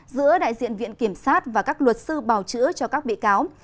giữa đại diện viện kiểm sát và các luật sư bào chữa cho các bị cáo